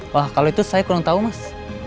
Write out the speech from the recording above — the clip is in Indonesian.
wah kalau itu saya kurang tahu mas